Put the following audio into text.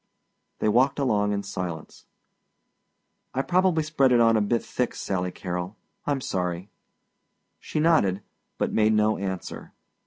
They walked along in silence. "I probably spread it on a bit thick Sally Carrol. I'm sorry." She nodded but made no answer.